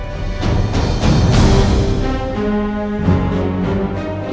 dari rumah yang saya tinggalkan